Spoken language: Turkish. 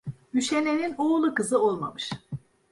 Üşenenin oğlu, kızı olmamış.